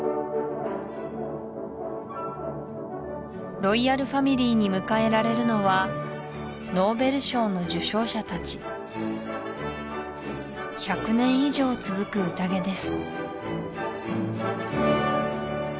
ロイヤルファミリーに迎えられるのはノーベル賞の受賞者たち１００年以上続く宴です